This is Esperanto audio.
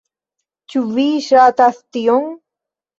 Ĉu vi ŝatas tion?